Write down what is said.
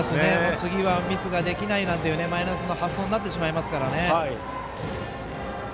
次はミスができないなんていうマイナスの発想になってしまいますからね。